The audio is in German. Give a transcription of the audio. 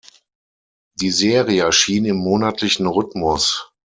Die Serie erschien im monatlichen Rhythmus.